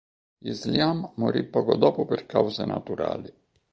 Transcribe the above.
Islyam morì poco dopo per cause naturali.